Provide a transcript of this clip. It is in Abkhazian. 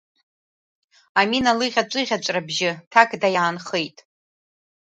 Амина лыӷьаҵәыӷьаҵәра бжьы ҭакда иаанхеит.